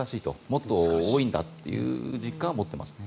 もっと多いんだという実感は持っていますね。